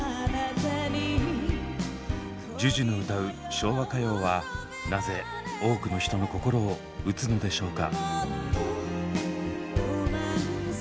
昭和歌謡はなぜ多くの人の心を打つのでしょうか。